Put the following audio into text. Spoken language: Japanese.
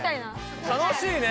楽しいね！